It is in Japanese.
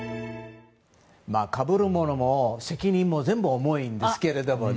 かぶるものも責任も全部重いんですけれどもね。